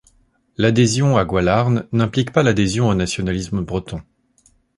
L'adhésion à Gwalarn n'implique pas l'adhésion au nationalisme breton.